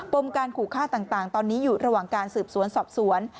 มการขู่ฆ่าต่างตอนนี้อยู่ระหว่างการสืบสวนสอบสวน